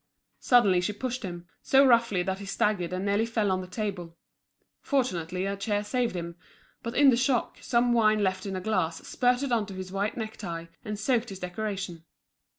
Suddenly she pushed him, so roughly that he staggered and nearly fell on to the table. Fortunately, a chair saved him; but in the shock, some wine left in a glass spurted on to his white necktie, and soaked his decoration.